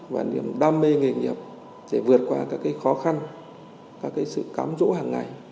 và niềm đam mê nghề nghiệp để vượt qua các cái khó khăn các cái sự cám dỗ hàng ngày